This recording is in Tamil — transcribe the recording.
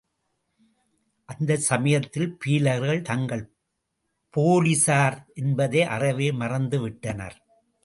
அந்தச் சமயத்தில் பீலர்கள் தாங்கள் போலிஸார் என்பதை அறவே மறந்து விட்டனர்.